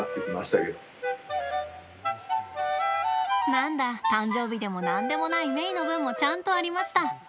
何だ、誕生日でもなんでもないメイの分もちゃんとありました。